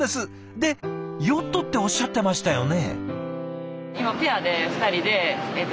で「ヨット」っておっしゃってましたよね？